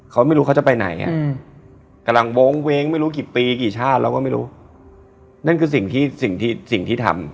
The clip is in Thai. อย่าจะไปกินหมูกระทาแล้วนั่ง